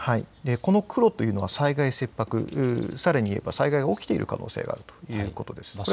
この黒というのは災害切迫、さらに言えば災害が起きている可能性があるということです。